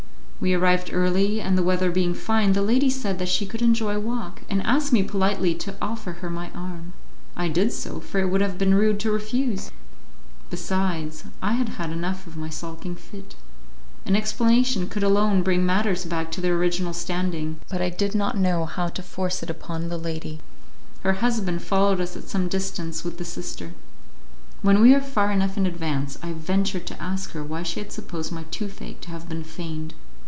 We arrived early, and the weather being fine, the lady said that she could enjoy a walk, and asked me politely to offer her my arm. I did so, for it would have been rude to refuse; besides I had had enough of my sulking fit. An explanation could alone bring matters back to their original standing, but I did not know how to force it upon the lady. Her husband followed us at some distance with the sister. When we were far enough in advance, I ventured to ask her why she had supposed my toothache to have been feigned.